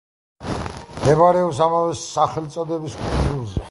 მდებარეობს ამავე სახელწოდების კუნძულზე.